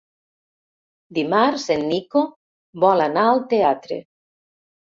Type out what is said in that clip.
Dimarts en Nico vol anar al teatre.